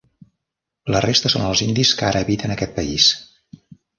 La resta són els indis que ara habiten aquest país.